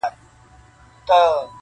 د اهریمن د اولادونو زانګو.!